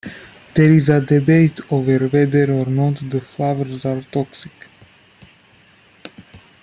There is debate over whether or not the flowers are toxic.